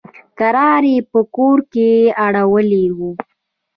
کرار يې په کور کښې اړولي وو.